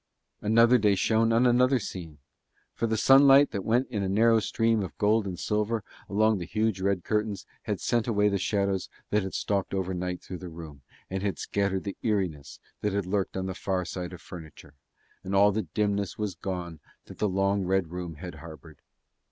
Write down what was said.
Another day shone on another scene; for the sunlight that went in a narrow stream of gold and silver between the huge red curtains had sent away the shadows that had stalked overnight through the room, and had scattered the eeriness that had lurked on the far side of furniture, and all the dimness was gone that the long red room had harboured.